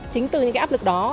chính từ những cái áp lực đó